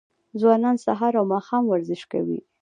ځوانان سهار او ماښام ورزش کوي.